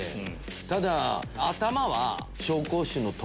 ただ。